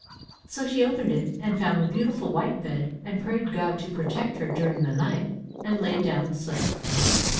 So she opened it, and found a beautiful white bed, and she prayed God to protect her during the night, and lay down and slept.